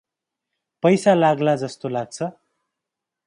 पैसा लाग्ला जस्तो लाग्छ।